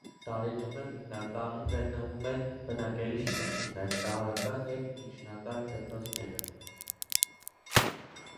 Դարիտում եմ հիմնականում գտնվում են բնակելի շինությունները, տարրական և միջնակարգ դպրոցները։